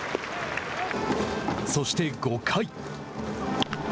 そして５回。